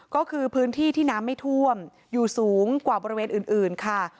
ก็คือพื้นที่ที่น้ำไม่ท่วมอยู่สูงกว่าบริเวณอื่นค่ะ